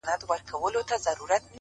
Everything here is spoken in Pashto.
زما ونه له تا غواړي راته _